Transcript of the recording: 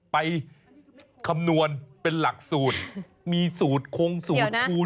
คำนวณเป็นหลักสูตรมีสูตรคงสูตรคูณ